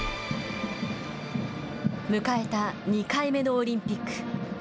迎えた２回目のオリンピック